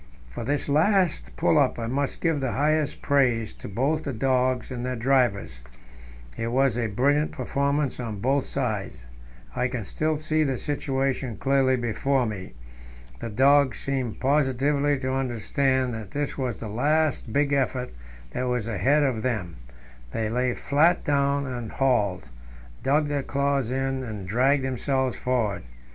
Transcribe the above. For this last pull up I must give the highest praise both to the dogs and their drivers; it was a brilliant performance on both sides. I can still see the situation clearly before me. The dogs seemed positively to understand that this was the last big effort that was asked of them; they lay flat down and hauled, dug their claws in and dragged themselves forward.